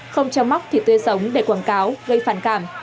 không chăm móc thịt tươi sống để quảng cáo gây phản cảm